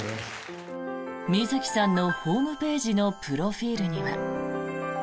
水木さんのホームページのプロフィルには。